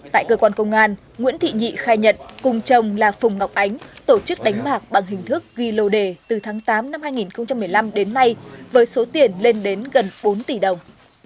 tại cơ quan công an nguyễn thị nhị khai nhận cùng chồng là phùng ngọc ánh tổ chức đánh bạc bằng hình thức ghi lô đề từ tháng tám năm hai nghìn một mươi năm đến nay với số tiền lên đến gần bốn tỷ đồng